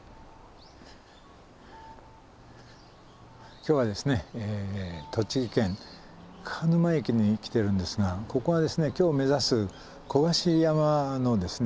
今日はですね栃木県鹿沼駅に来てるんですがここはですね今日目指す古賀志山のですね